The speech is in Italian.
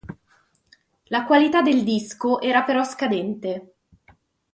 La qualità del disco era però scadente.